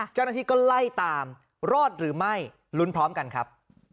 เจ้าหน้าที่ก็ไล่ตามรอดหรือไม่ลุ้นพร้อมกันครับ